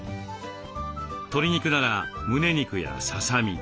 鶏肉ならむね肉やささみ。